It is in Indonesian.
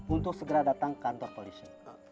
untuk segera datang ke kantor polisi